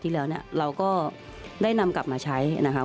ที่แล้วนะเราก็ได้นำกลับมาใช้นะครับ